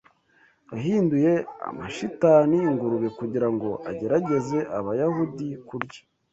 Yahinduye amashitani ingurube Kugira ngo agerageze abayahudi kurya